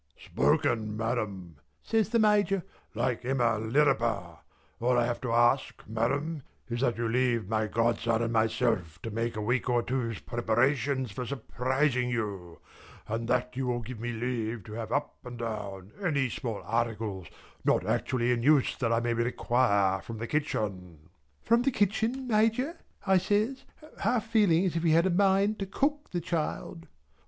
"Spoken Madam" says the Major "like Emma Lirriper. All I have to ask, Madam, is that you will leave my godson and myself to make a week or two's preparations for surprising you, and that you will give me leave to have up and down any small articles not actually in use that I may require from the kitchen." "From the kitchen Major?" I says half feeling as if he had a mind to cook the child.